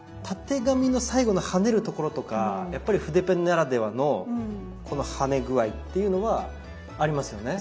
たてがみの最後のはねるところとかやっぱり筆ペンならではのこのはね具合っていうのはありますよね。